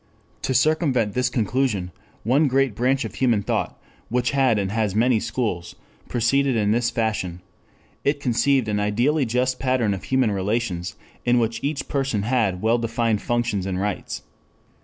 ] 2 To circumvent this conclusion one great branch of human thought, which had and has many schools, proceeded in this fashion: it conceived an ideally just pattern of human relations in which each person had well defined functions and rights.